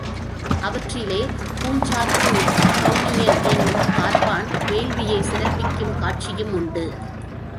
அவற்றிலே பூஞ்சாற்றூர்க் கௌணியன் என்னும் பார்ப்பான் வேள்வியைச் சிறப்பிக்கும் காட்சியுமுண்டு.